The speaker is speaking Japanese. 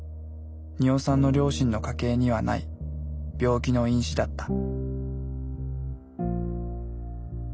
鳰さんの両親の家系にはない病気の因子だった。